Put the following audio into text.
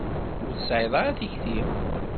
Ur tesɛiḍ ara tikti.